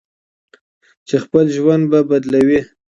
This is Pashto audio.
چې خپل ژوند به بدلوي.